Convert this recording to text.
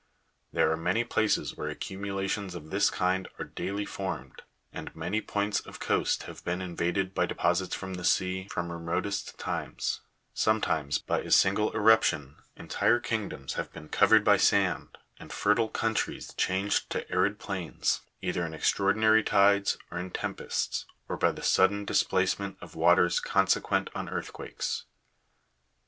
There are many places where, accumulations of this kind are daily formed, and many points of coast have been invaded by deposits from the sea from remotest times : sometimes, by a single irruption, entire kingdoms have been covered by sand, and fertile countries changed to arid plains, either in extraordinary tides, or in tempests, or by the sudden displacement of waters consequent on earthquakes.